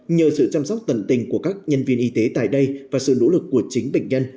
nhờ sự chăm sóc tận tình của các nhân viên y tế tại đây và sự nỗ lực của chính bệnh nhân